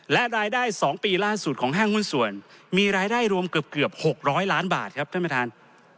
และรายได้๒ปีล่าสุดของห้างหุ้นส่วนมีรายได้รวมเกือบ๖๐๐ล้านบาทครับท่านประธาน